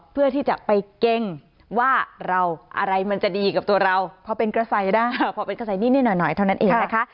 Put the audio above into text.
เพื่อที่จะไปเก้งว่าเราอะไรมันจะดีกับตัวเราพอเป็นกระใส่ได้พอเป็นกระแสนิดหน่อยเท่านั้นเองนะคะ